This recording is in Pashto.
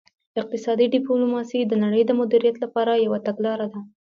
اقتصادي ډیپلوماسي د نړۍ د مدیریت لپاره یوه تګلاره ده